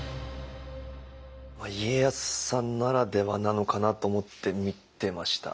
家康さんならではなのかなと思って見てました。